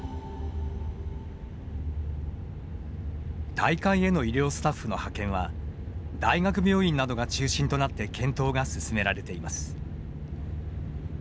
大会への医療スタッフの派遣は大学病院などが中心となって検討が進められています。